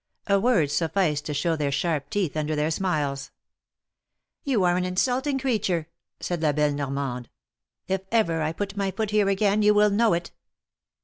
A word sufficed to show their sharp teeth under their smiles. ''You are an insulting creature!" said la belle Yor mande. "If ever I put my foot here again you will know it."